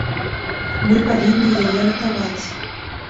Мы павінны яе ратаваць.